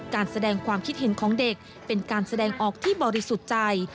การแสดงความคิดเห็นของเด็กเป็นการแสดงออกที่บริสุทธิ์ใจ